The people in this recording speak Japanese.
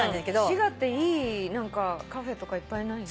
滋賀っていいカフェとかいっぱいない？